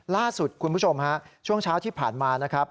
ล่าสุดคุณผู้ชมฮะช่วงเช้าที่ผ่านมานะครับ